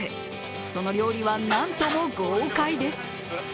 その料理は何とも豪快です。